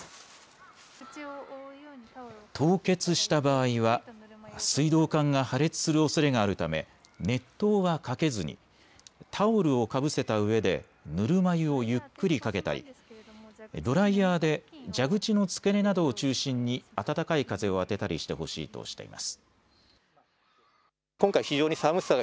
凍結した場合は水道管が破裂するおそれがあるため熱湯はかけずにタオルをかぶせたうえでぬるま湯をゆっくりかけたりドライヤーで蛇口の付け根などを中心に温かい風を当てたりしてほしいとしています。